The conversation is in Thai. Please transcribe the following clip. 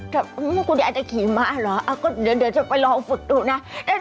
แต่เมื่อคุณยายจะขี่ม้าเหรอก็เดี๋ยวจะไปลองฝึกดูนะ